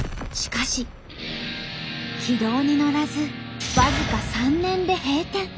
軌道に乗らず僅か３年で閉店。